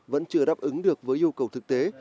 vẫn chưa đáp ứng được với yêu cầu thực tế